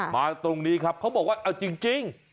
มาตรงนี้ครับเขาบอกว่าเอาจริง